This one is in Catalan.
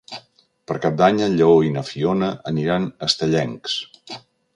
Per Cap d'Any en Lleó i na Fiona aniran a Estellencs.